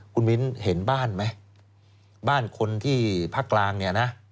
คุณมิ้นเห็นบ้านไหมบ้านคนที่ภาคกลางเนี่ยนะ